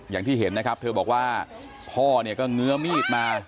อย่างที่เห็นนะครับเธอบอกว่าพ่อเนี่ยก็เงื้อมีดมา